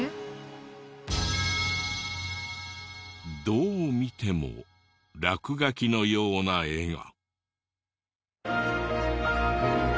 どう見ても落書きのような絵が。